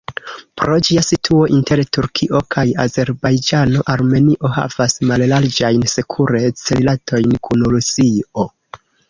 Pro ĝia situo inter Turkio kaj Azerbajĝano, Armenio havas mallarĝajn sekurec-rilatojn kun Rusio.